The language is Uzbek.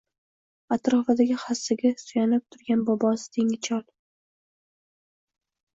Atrofidagi hassa suyanib turgan bobosi tengi chol.